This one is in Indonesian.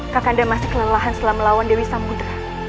kakanda masih kelelahan setelah melawan dewi samudera